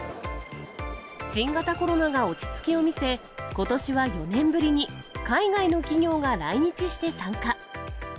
新型コロナが落ち着きを見せ、ことしは４年ぶりに、海外の企業が来日して参加。